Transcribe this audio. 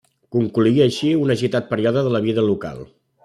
Concloïa així un agitat període de la vida local.